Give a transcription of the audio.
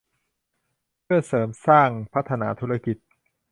เพื่อเสริมสร้างพัฒนาธุรกิจ